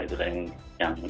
itu kan yang